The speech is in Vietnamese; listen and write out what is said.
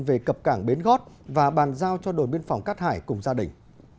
về cập cảng bến gót và bàn giao cho đội biên phòng cát hải cùng gia đình